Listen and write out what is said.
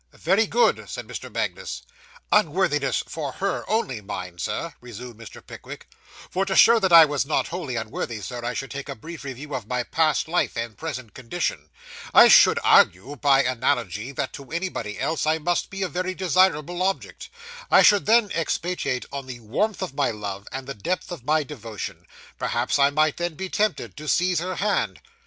'Very good,' said Mr. Magnus. 'Unworthiness for _her _only, mind, sir,' resumed Mr. Pickwick; 'for to show that I was not wholly unworthy, sir, I should take a brief review of my past life, and present condition. I should argue, by analogy, that to anybody else, I must be a very desirable object. I should then expatiate on the warmth of my love, and the depth of my devotion. Perhaps I might then be tempted to seize her hand.